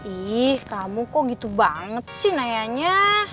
ih kamu kok gitu banget sih nayanya